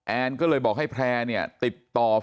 แอนก็เลยบอกให้แพร่เนี่ยติดต่อ